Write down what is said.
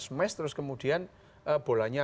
smash terus kemudian bolanya